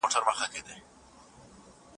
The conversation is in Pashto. ښځې په جګړه کې قرباني شوې.